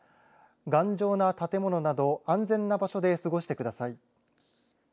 頑丈な建物など安全な場所で過ごしてください。